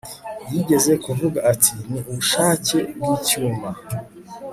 yigeze kuvuga ati Ni ubushake bwicyuma